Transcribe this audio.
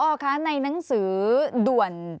คะในหนังสือด่วน